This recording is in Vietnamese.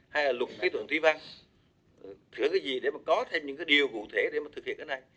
hay là luật kỹ thuật thuy văn sửa cái gì để có thêm những điều cụ thể để thực hiện cái này